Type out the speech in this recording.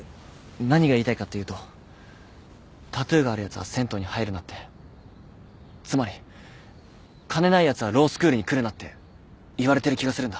何が言いたいかっていうとタトゥーがあるやつは銭湯に入るなってつまり金ないやつはロースクールに来るなって言われてる気がするんだ。